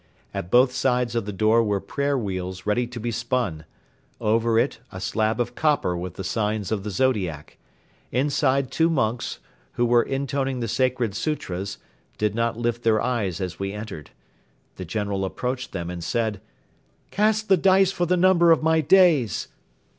At both sides of the door were prayer wheels ready to be spun; over it a slab of copper with the signs of the zodiac. Inside two monks, who were intoning the sacred sutras, did not lift their eyes as we entered. The General approached them and said: "Cast the dice for the number of my days!"